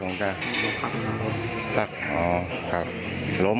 ล้มเหรอครับล้ม